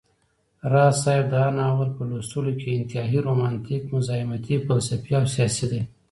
راز صاحب دا ناول په لوستلو کي انتهائى رومانتيک، مزاحمتى، فلسفى او سياسى دى